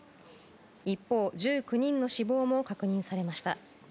一方、１９人の死亡も確認されました。